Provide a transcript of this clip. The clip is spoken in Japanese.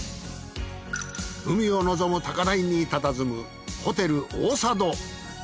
海を望む高台にたたずむホテル大佐渡。